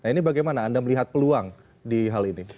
nah ini bagaimana anda melihat peluang di hal ini